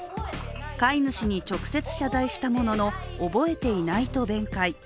飼い主に直接謝罪したものの、覚えていないと弁解。